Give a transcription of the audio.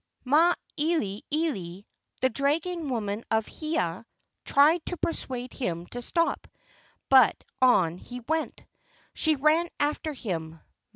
Ma eli eli, the dragon woman of Heeia, tried to persuade him to stop, but on he went. She ran after him.